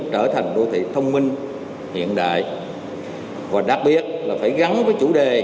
trở thành đô thị thông minh hiện đại và đặc biệt là phải gắn với chủ đề